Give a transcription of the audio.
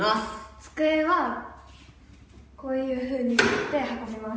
机はこういうふうに持って運びます。